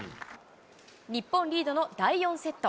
日本リードの第４セット。